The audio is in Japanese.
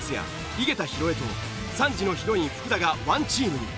井桁弘恵と３時のヒロイン福田がワンチームに。